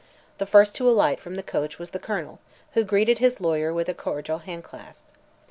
The first to alight from the coach was the Colonel, who greeted his lawyer with a cordial handclasp.